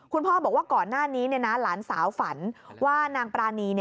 คุณพ่อบอกว่าก่อนหน้านี้หลานสาวฝันว่านางปรานี